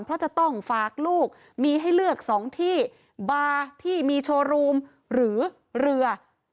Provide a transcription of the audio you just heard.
เพราะจะต้องฝากลูกมีให้เลือก๒ที่บาร์ที่มีโชว์รูมหรือเรือ